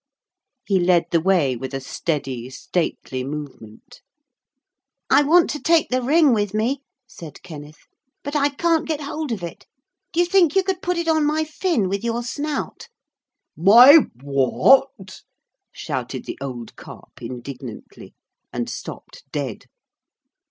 He led the way with a steady stately movement. 'I want to take the ring with me,' said Kenneth, 'but I can't get hold of it. Do you think you could put it on my fin with your snout?' 'My what!' shouted the old Carp indignantly and stopped dead.